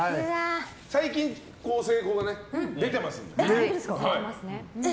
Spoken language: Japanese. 最近、成功が出てます。